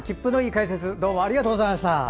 解説ありがとうございました。